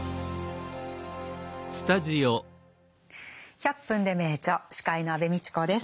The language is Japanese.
「１００分ｄｅ名著」司会の安部みちこです。